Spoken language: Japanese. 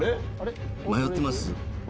迷ってます。